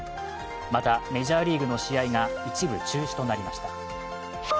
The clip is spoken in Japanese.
またメジャーリーグの試合が一部中止となりました。